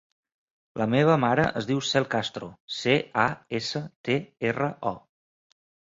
La meva mare es diu Cel Castro: ce, a, essa, te, erra, o.